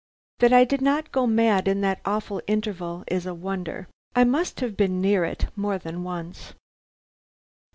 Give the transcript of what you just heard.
That I did not go mad in that awful interval is a wonder. I must have been near it more than once.